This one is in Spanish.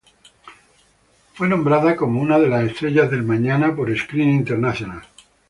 Fue nombrada como una de las "estrellas del mañana" por Screen International.